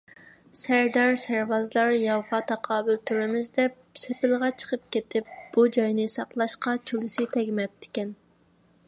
سەردار - سەرۋازلار ياۋغا تاقابىل تۇرىمىز دەپ سېپىلغا چىقىپ كېتىپ، بۇ جاينى ساقلاشقا چولىسى تەگمەپتىكەن.